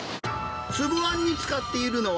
粒あんに使っているのは、